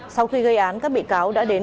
sau khi gây án các bị cáo đã đến